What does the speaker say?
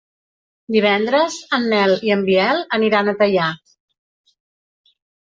Divendres en Nel i en Biel aniran a Teià.